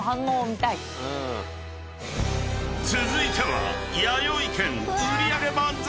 ［続いては］